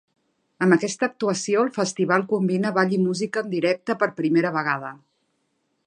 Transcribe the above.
Amb aquesta actuació, el festival combina ball i música en directe per primera vegada.